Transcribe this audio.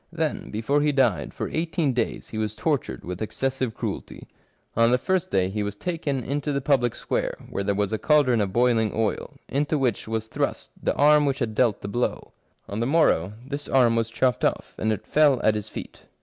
" Then, before he died, for eighteen days he was tortured with excessive cruelty. On the first day he 99 Curiosities of Olden Times was taken into the public square, where there was a caldron of boiling oil, into which was thrust the arm which had dealt the blow. On the morrow this arm was chopped off, and it fell at his feet.